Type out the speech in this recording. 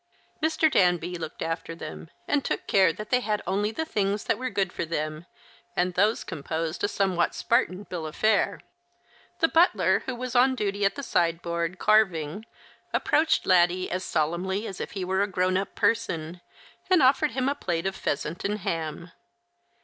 Mr. Danby looked after them, and took care tliat they had only the things that were good for them, and those composed a somewliat Spartan bill of fare. Tlie Ijutler, who was on duty at the sideboard, carving, approached Laddie as solemnly as if he were a grown up 122 The Christmas Hirelings. person, and offered him a plate of pheasant and ham.